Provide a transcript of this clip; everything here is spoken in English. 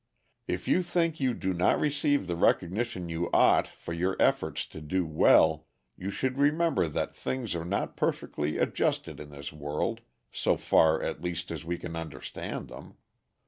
If you think you do not receive the recognition you ought for your efforts to do well, you should remember that things are not perfectly adjusted in this world, so far at least as we can understand them.